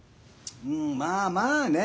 うんまあまあね。